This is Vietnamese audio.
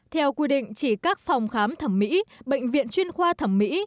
theo quy định chỉ các phòng khám thẩm mỹ bệnh viện chuyên khoa thẩm mỹ